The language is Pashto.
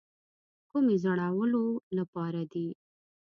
کومې زړولو لپاره دي.